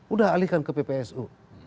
udah alihkan ke ppsu